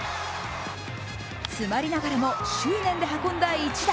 詰まりながらも執念で運んだ一打。